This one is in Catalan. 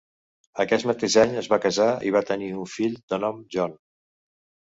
Aquest mateix any es va cassar i va tenir un fill de nom John.